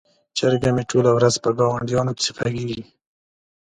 چرګه مې ټوله ورځ په ګاونډیانو پسې غږیږي.